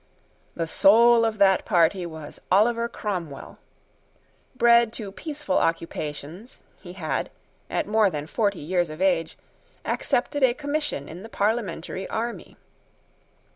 The soul of that party was Oliver Cromwell. Bred to peaceful occupations, he had, at more than forty years of age, accepted a commission in the parliamentary army.